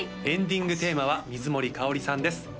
エンディングテーマは水森かおりさんです